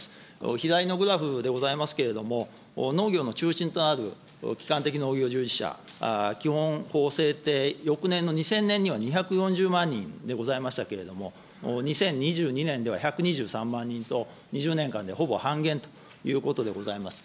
左のグラフでございますけれども、農業の中心となる基幹的農業従事者、、翌年の２０００年には２４０万人でございましたけれども、２０２２年では１２３万人と、２０年間でほぼ半減ということでございます。